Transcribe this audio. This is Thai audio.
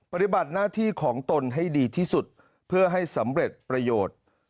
ปฏิบัติหน้าที่ของตนให้ดีที่สุดเพื่อให้สำเร็จประโยชน์